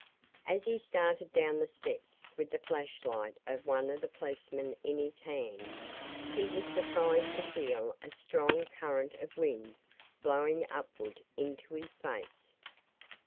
As he started down the steps with the flashlight of one of the policemen in his hand, he was surprised to feel a strong current of wind blowing upward into his face.